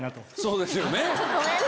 そうですよね。